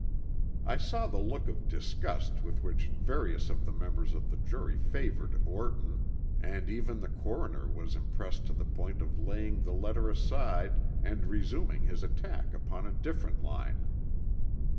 I saw the look of disgust with which various of the members of the jury favored Orton, and even the coroner was impressed to the point of laying the letter aside and resuming his attack upon a different line.